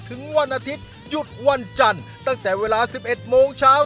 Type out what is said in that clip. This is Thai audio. ถึงวันอาทิตย์ยุดวันจันทร์ตั้งแต่เวลาสิบเอ็ดโมงเช้า